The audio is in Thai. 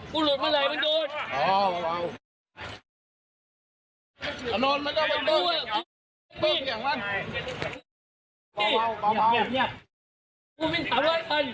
ขอมินสำรวจกันพอแล้วพอแล้ว